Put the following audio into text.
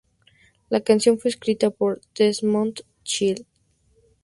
La canción fue escrita por Desmond Child.